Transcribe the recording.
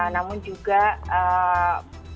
namun juga masyarakat juga yang selalu berpikir bahwa